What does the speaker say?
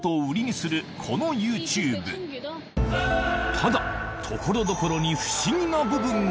ただ、ところどころに不思議な部分が。